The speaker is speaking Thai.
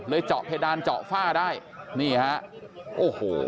เจาะเพดานเจาะฝ้าได้นี่ฮะโอ้โห